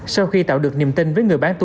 sau khi tạo được niềm tin với người bán